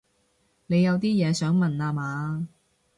你有啲嘢想問吖嘛